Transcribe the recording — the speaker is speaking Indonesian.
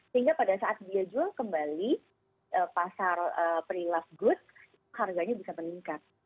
sehingga pada saat dia jual kembali pasar pre loved goods harganya bisa meningkat